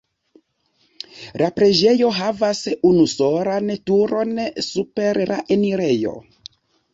La preĝejo havas unusolan turon super la enirejo.